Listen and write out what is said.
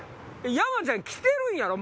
山ちゃん来てるんやろ？